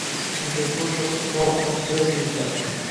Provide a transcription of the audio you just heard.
Unga tosh otib savob orttiray deyishipti.